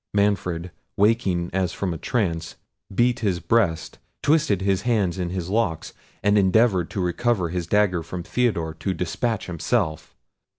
Manfred, waking as from a trance, beat his breast, twisted his hands in his locks, and endeavoured to recover his dagger from Theodore to despatch himself.